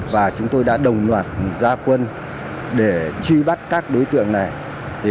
và chúng tôi đã đồng loạt gia quân để truy bắt các đối tượng này